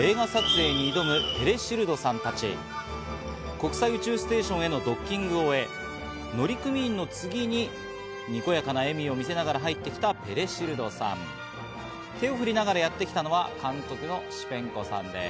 国際宇宙ステーションへのドッキングを終え、乗組員の次に、にこやかな笑みを見せながら入ってきたペレシルドさん、手を振りながらやってきたのは監督のシペンコさんです。